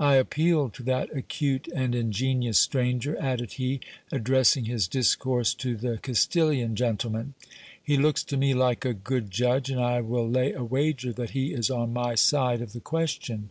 I appeal to that acute and ingenious stranger, added he, addressing his discourse to the Castilian gentleman ; he looks to me like a good judge, and I will lay a wager that he is on my side of the question.